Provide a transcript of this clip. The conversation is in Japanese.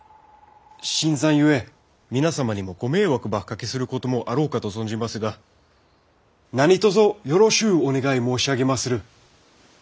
新参ゆえ皆様にもご迷惑ばおかけすることもあろうかと存じますが何とぞよろしうお願い申し上げまする！